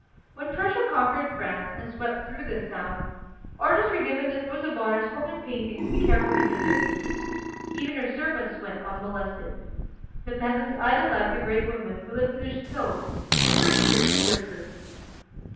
When Prussia conquered France, and swept through this town, orders were given that Rosa Bonheur's home and paintings be carefully preserved. Even her servants went unmolested. The peasants idolized the great woman who lived in the chateau, and were eager to serve her.